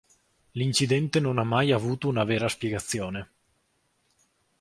L'incidente non ha mai avuto una vera spiegazione.